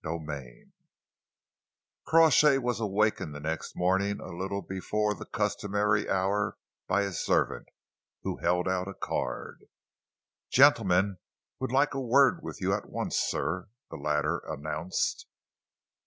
CHAPTER XXIII Crawshay was awakened the next morning a little before the customary hour by his servant, who held out a card. "Gentleman would like a word with you at once, sir," the latter announced.